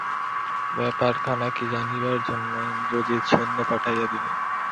ব্যাপারখানা কী জানিবার জন্য ইন্দ্রজিৎ সৈন্য পাঠাইয়া দিলেন।